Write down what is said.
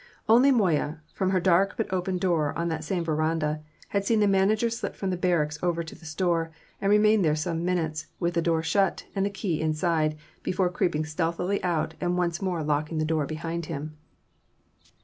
Only Moya, from her dark but open door on that same verandah, had seen the manager slip from the barracks over to the store, and remain there some minutes, with the door shut and the key inside, before creeping stealthily out and once more locking the door behind him.